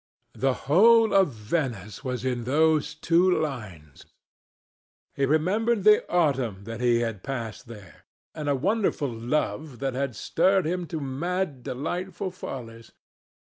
The whole of Venice was in those two lines. He remembered the autumn that he had passed there, and a wonderful love that had stirred him to mad delightful follies.